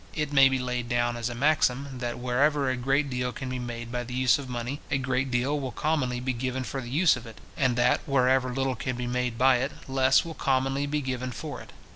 It may be laid down as a maxim, that wherever a great deal can be made by the use of money, a great deal will commonly be given for the use of it; and that, wherever little can be made by it, less will commonly he given for it.